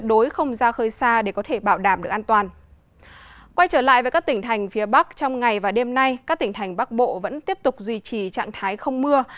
trong các tỉnh thành phía bắc trong ngày và đêm nay các tỉnh thành bắc bộ vẫn tiếp tục duy trì trạng thái không mưa